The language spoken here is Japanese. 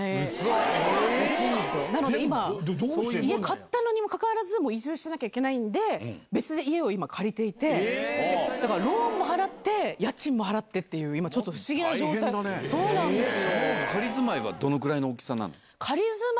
なので今、家買ったにもかかわらず、移住しなきゃいけないんで、別で家を今、借りていて、だからローンも払って、家賃も払ってっていう、今ちょっと不思議な状態なんです。